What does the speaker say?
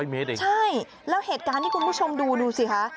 เมตรเองใช่แล้วเหตุการณ์ที่คุณผู้ชมดูดูสิคะ